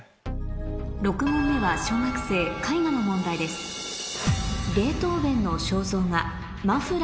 ６問目は小学生絵画の問題ですＯＫＯＫ。